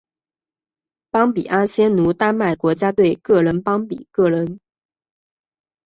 邦比阿仙奴丹麦国家队个人邦比个人